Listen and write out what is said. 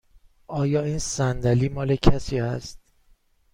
آیا این صندلی مال کسی است؟